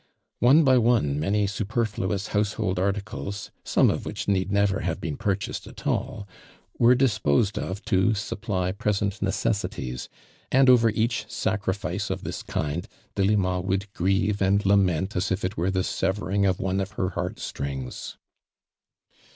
One by one many superfluous household iuticles, some of which need never have (loen purchased at all, wore disposed of to .supply present necessities, and over each sauriHce of this kind Delima would grieve and lament as if it 1^•«re the severing of one of her heart strings.